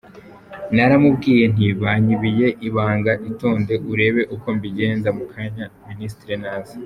Naramubwiye nti banyibiye ibanga itonde urebe uko mbigenza mu kanya ministre naza.